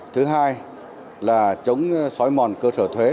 thứ hai là chống xói mòn cơ sở thuế